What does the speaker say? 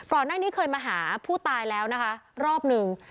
ก่อนหน้านี้เคยมาหาผู้ตายแล้วนะคะรอบหนึ่ง